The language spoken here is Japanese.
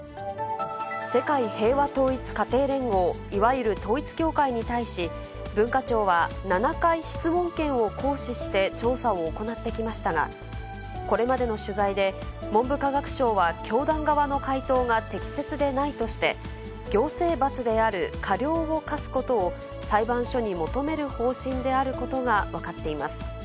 世界平和統一家庭連合、いわゆる統一教会に対し、文化庁は７回質問権を行使して、調査を行ってきましたが、これまでの取材で、文部科学省は教団側の回答が適切でないとして、行政罰である過料を科すことを裁判所に求める方針であることが分かっています。